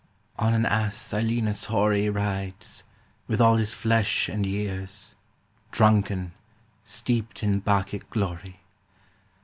On an ass Silenus hoary Rides, with all his flesh and years, Drunken, steeped in Bacchic glory.